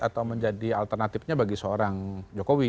atau menjadi alternatifnya bagi seorang jokowi